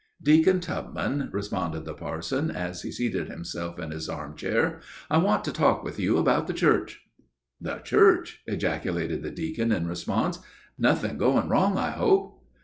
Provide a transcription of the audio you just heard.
"Deacon Tubman," responded the parson, as he seated himself in his armchair, "I want to talk with you about the church." "The church!" ejaculated the deacon in response. "Nothing going wrong, I hope?"